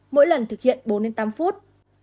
mỗi lần thực hiện bốn tám phút